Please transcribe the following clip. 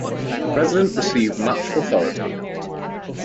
The president received much authority.